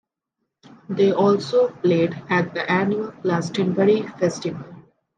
They also played at the annual Glastonbury Festival.